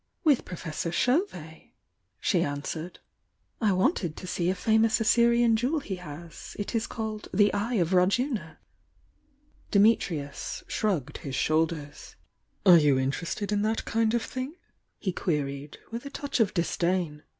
"With Professor Chauvet," she answered. "I '^ u"*j "IJ? ^f? * famous Assyrian jewel he has— it is called 'The Eye of Rajuna.' " Dimitrius shrugged his shoulders. And you are interested in that kind of thine?" he queried, with a touch of disdain.